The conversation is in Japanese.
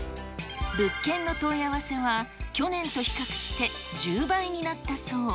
物件の問い合わせは去年と比較して１０倍になったそう。